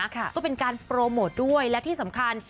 ก็เป็นการโปรโมทด้วยและที่สำคัญ